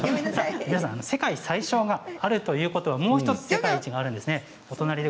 世界最小があるということはもう１つ、世界一があります。